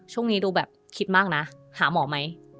ช่วงนี้ดูแบบคิดมากนะหาหมอไหม